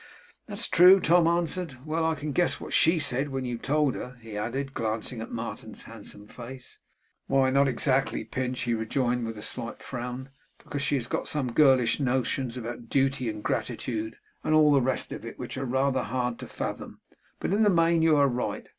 'That's true,' Tom answered. 'Well! I can guess what SHE said when you told her,' he added, glancing at Martin's handsome face. 'Why, not exactly, Pinch,' he rejoined, with a slight frown; 'because she has some girlish notions about duty and gratitude, and all the rest of it, which are rather hard to fathom; but in the main you are right.